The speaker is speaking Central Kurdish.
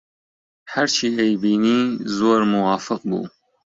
هەرچی ئەیبینی زۆر موافق بوو